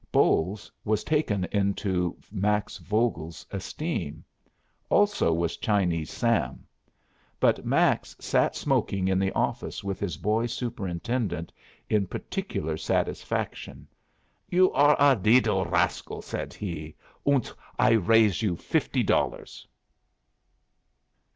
Bolles was taken into Max Vogel's esteem; also was Chinese Sam. But Max sat smoking in the office with his boy superintendent, in particular satisfaction. "You are a liddle r rascal," said he. "Und I r raise you fifty dollars."